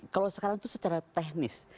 kalau sekarang itu secara teknis